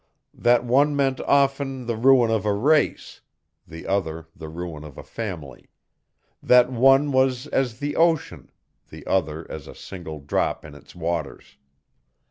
That one meant often the ruin of a race; the other the ruin of a family; that one was as the ocean, the other as a single drop in its waters.